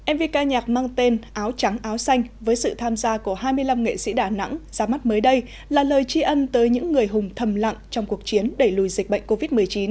mv ca nhạc mang tên áo trắng áo xanh với sự tham gia của hai mươi năm nghệ sĩ đà nẵng ra mắt mới đây là lời tri ân tới những người hùng thầm lặng trong cuộc chiến đẩy lùi dịch bệnh covid một mươi chín